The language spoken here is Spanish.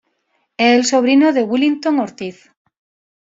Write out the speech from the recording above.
Es el sobrino de Willington Ortiz.